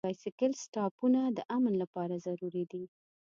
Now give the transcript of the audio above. د بایسکل سټاپونه د امن لپاره ضروري دي.